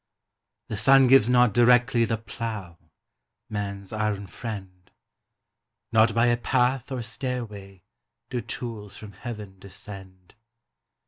The sun gives not directly The plough, man's iron friend; Not by a path or stairway Do tools from Heaven descend.